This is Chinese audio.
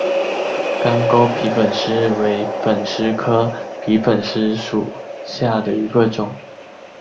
干沟皮粉虱为粉虱科皮粉虱属下的一个种。